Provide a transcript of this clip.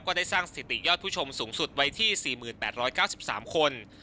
ได้สร้างสถิติยอดผู้ชมสูงสุดไว้ที่๔๘๙๓คน